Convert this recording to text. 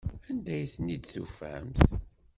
Anda ay ten-id-tufamt?